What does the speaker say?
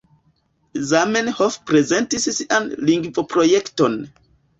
Zamenhof prezentis sian lingvoprojekton.